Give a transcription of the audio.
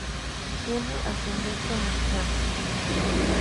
Tiene ascendencia mexicana.